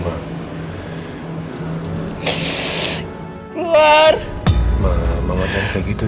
mas ikut pekerjaan gue selalu ke barcelona